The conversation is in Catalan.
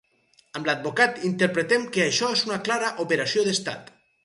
Amb l’advocat interpretem que això és una clara operació d’estat.